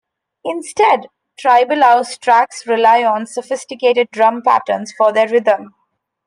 Instead, tribal house tracks rely on sophisticated drum patterns for their rhythm.